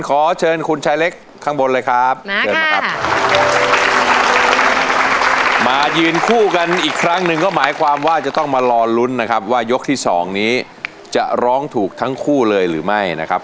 ขอเชิญคุณชายเล็กข้างบนเลยครับเชิญมาครับ